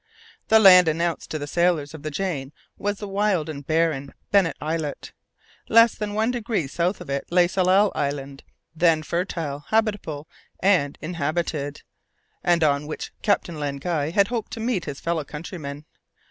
The land announced to the sailors of the Jane was the wild and barren Bennet Islet. Less than one degree south of it lay Tsalal Island, then fertile, habitable and inhabited, and on which Captain Len Guy had hoped to meet his fellow countrymen.